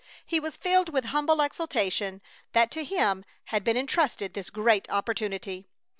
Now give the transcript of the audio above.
He was filled with humble exaltation that to him had been intrusted this great opportunity.